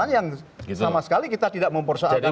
yang sama sekali kita tidak mempersoalkan